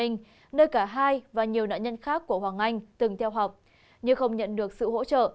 nơi cả hai và nhiều nạn nhân khác của hoàng anh từng theo học nhưng không nhận được sự hỗ trợ